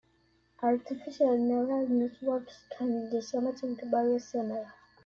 Artificial neural networks can do something very similar.